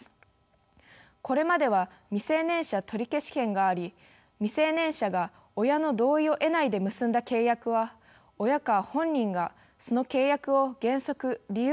これまでは「未成年者取消権」があり未成年者が親の同意を得ないで結んだ契約は親か本人がその契約を原則理由なしで取り消しができました。